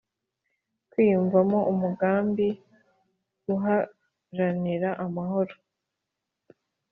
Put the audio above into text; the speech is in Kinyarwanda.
kwiyumvamo umugambi wo guharanira amahoro